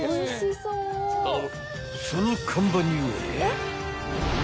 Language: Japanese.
［その看板には］